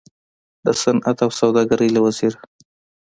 د صنعت او سوداګرۍ له وزیر